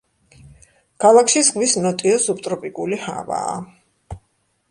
ქალაქში ზღვის ნოტიო სუბტროპიკული ჰავაა.